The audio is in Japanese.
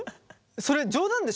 それ冗談でしょ？